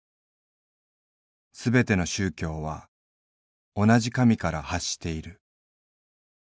すべての宗教は同じ神から発している。